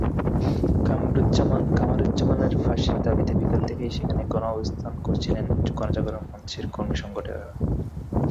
কামারুজ্জামানের ফাঁসির দাবিতে বিকেল থেকেই সেখানে গণ-অবস্থান করছিলেন গণজাগরণ মঞ্চের কর্মী-সংগঠকেরা।